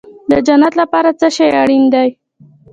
د جنت لپاره څه شی اړین دی؟